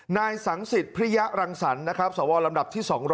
นายสังศิษย์พริยารังสรรค์สวลำดับที่๒๐๗